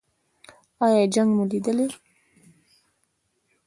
ایا جنګ مو لیدلی؟